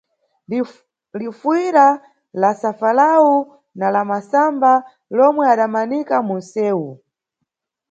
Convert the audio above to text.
Lifuyira, la safalawu na la masamba lomwe adamanika mansewu.